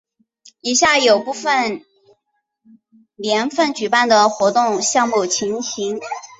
以下有部分年份举办的活动项目情形。